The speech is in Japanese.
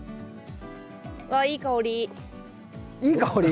いい香り？